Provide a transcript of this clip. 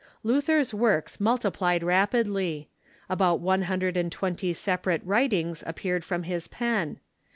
Luther's works multiplied rapidly. About one hundred and twenty separate Avritings appeared from his pen.